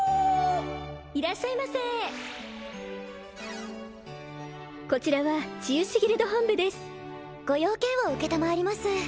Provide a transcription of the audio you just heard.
いらっしゃいませこちらは治癒士ギルド本部ですご用件を承ります